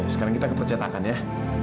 sekarang kita ke percetakan ya